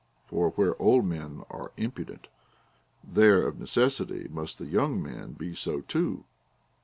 For where old men are impudent, there of necessity must the young men be so too.